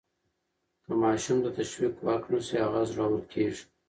که ماشوم ته تشویق ورکړل شي، هغه زړور کیږي.